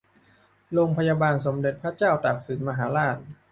โรงพยาบาลสมเด็จพระเจ้าตากสินมหาราช